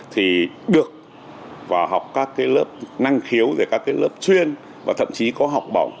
thì được vào học các lớp năng khiếu các lớp chuyên và thậm chí có học bỏng